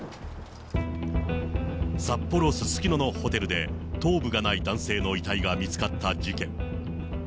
札幌・すすきののホテルで、頭部がない男性の遺体が見つかった事件。